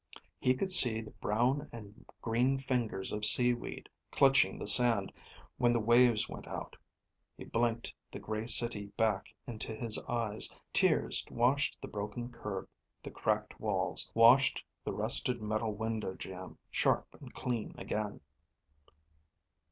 He could see the brown and green fingers of seaweed clutching the sand when the waves went out. He blinked the gray city back into his eyes. Tears washed the broken curb, the cracked walls, washed the rusted metal window jamb sharp and clean again.